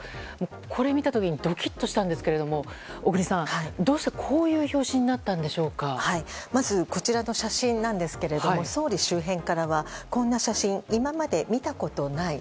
これ見た時にドキッとしたんですけれども小栗さん、どうしてこういう表紙にまず、こちらの写真ですが総理周辺からはこんな写真今まで見たことない。